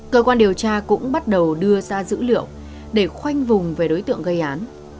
cơ quan điều tra cũng bắt đầu đưa ra dữ liệu để khoanh vùng về đối tượng gây án